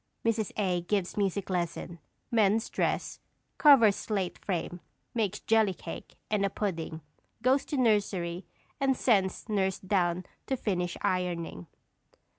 [_Mrs. A. gives music lesson; mends dress; covers slate frame; makes jelly cake and a pudding; goes to nursery and sends nurse down to finish ironing.